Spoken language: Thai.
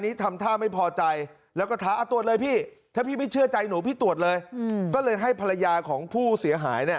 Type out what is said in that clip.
ทำท่าไม่พอใจแล้วก็ท้าตรวจเลยพี่ถ้าพี่ไม่เชื่อใจหนูพี่ตรวจเลยก็เลยให้ภรรยาของผู้เสียหายเนี่ย